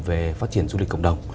về phát triển du lịch cộng đồng